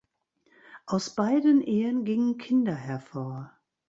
Aus beiden Ehen gingen Kinder hervor.